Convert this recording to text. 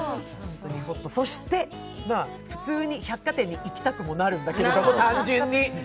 そして普通に百貨店にも行きたくなるんだけど、単純に。